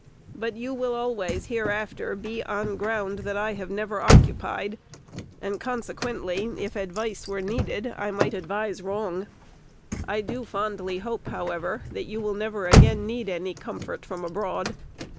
But you will always hereafter be on ground that I have never occupied, and consequently, if advice were needed, I might advise wrong. I do fondly hope, however, that you will never again need any comfort from abroad.